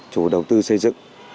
chủ đầu tư xây dựng